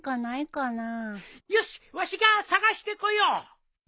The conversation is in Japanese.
よしわしが探してこよう。